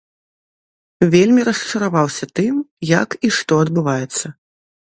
Вельмі расчараваўся тым, як і што адбываецца.